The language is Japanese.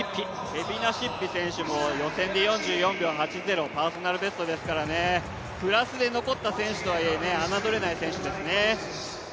ケビナシッピ選手も予選で４４秒８０、パーソナルベストですからねプラスで残った選手とはいえあなどれない選手ですね。